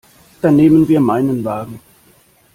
Dann nehmen wir meinen Wagen.